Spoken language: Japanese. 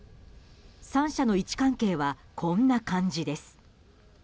３者の位置関係はこんな感じです。